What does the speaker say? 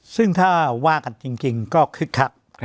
ซึ่งถ้าว่ากันจริงก็คึกคัก